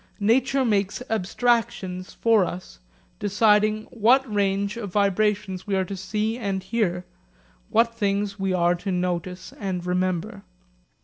Nature makes abstractions for us, deciding what range of vibrations we are to see and hear, what things we are to notice and remember.'